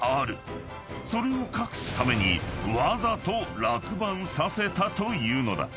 ［それを隠すためにわざと落盤させたというのだ］